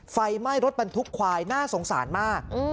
ไฟไหม้รถบรรทุกควายน่าสงสารมาก